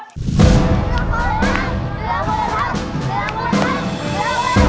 เสื้อคนละท่ำ